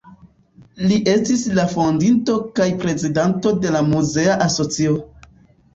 Li estis la fondinto kaj prezidanto de muzea asocio.